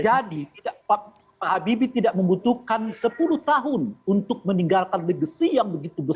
jadi pak habibie tidak membutuhkan sepuluh tahun untuk meninggalkan legacy yang begitu besar